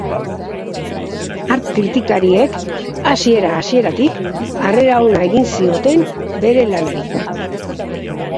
Arte-kritikariek hasiera-hasieratik harrera ona egin zioten bere lanari.